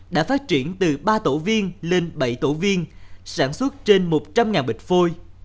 đã phát triển từ ba tổ viên lên bảy tổ viên sản xuất trên một trăm linh bịch phôi